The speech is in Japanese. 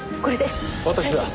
私だ。